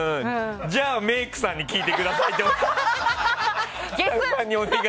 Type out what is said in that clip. じゃあ、メイクさんに聞いてくださいって。